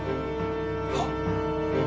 はっ。